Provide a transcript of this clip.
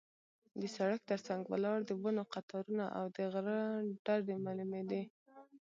د سړک تر څنګ ولاړ د ونو قطارونه او د غره ډډې معلومېدلې.